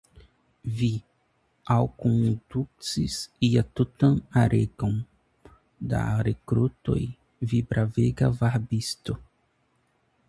Vi alkondukis ja tutan aregon da rekrutoj, vi bravega varbisto!